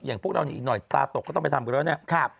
อย่างพวกเรานี่อีกหน่อยตาตกก็ต้องไปตามกันแล้ว